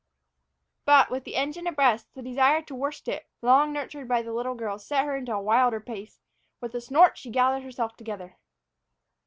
But, with the engine abreast, the desire to worst it, long nurtured by the little girl, set her into a wilder pace. With a snort, she gathered herself together.